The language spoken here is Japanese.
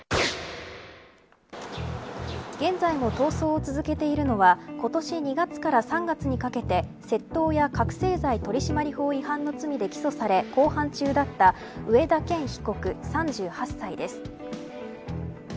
現在も逃走を続けているのは今年２月から３月にかけて窃盗や覚せい剤取締法違反の罪などで起訴され公判中だった上田健被告、３８歳です。